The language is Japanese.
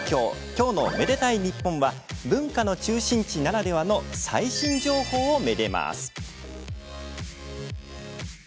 きょうの「愛でたいｎｉｐｐｏｎ」は文化の中心地ならではの最新情報をめでます。